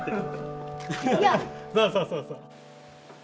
そうそうそうそう。